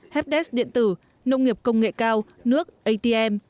heds điện tử nông nghiệp công nghệ cao nước atm